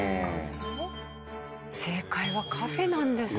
正解はカフェなんです。